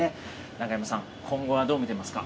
長山さん、今後はどう見てますか。